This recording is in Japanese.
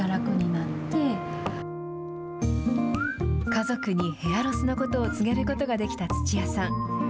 家族にヘアロスのことを告げることができた土屋さん。